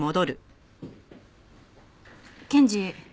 検事。